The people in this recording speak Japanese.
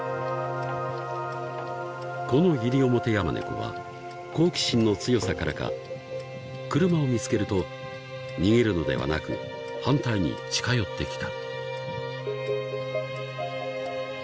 ［このイリオモテヤマネコは好奇心の強さからか車を見つけると逃げるのではなく反対に近寄ってきた］